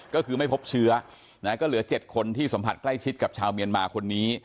ก็คือไม่พบเชื้อก็เหลือ๗คนที่สัมผัสใกล้ชิดกับชาวเมียนมาคนนี้